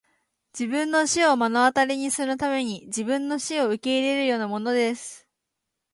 自分の死を目の当たりにするために自分の死を受け入れるようなものです!